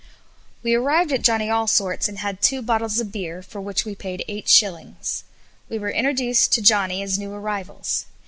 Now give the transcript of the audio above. We arrived at Johnny Allsorts, and had two bottles of beer, for which we paid 8s. We were introduced to Johnny as new arrivals.